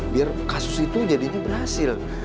biar kasus itu jadinya berhasil